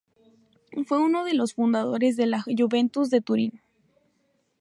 Fue uno de los fundadores de la Juventus de Turín.